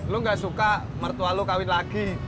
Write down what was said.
lu gak suka mertua lo kawin lagi